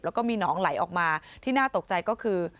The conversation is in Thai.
แล้วก็มีหนองไหลออกมาที่น่าตกใจก็คือ